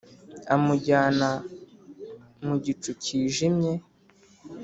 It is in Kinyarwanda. amujyana mu gicu kijimye,